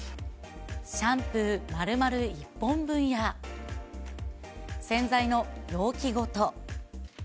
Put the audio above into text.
シャンプーまるまる１本分や、洗剤の容器ごと。